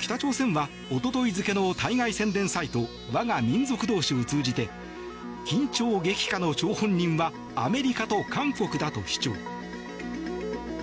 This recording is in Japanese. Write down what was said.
北朝鮮は一昨日付の対外宣伝サイト「わが民族同士」を通じて緊張激化の張本人はアメリカと韓国だと主張。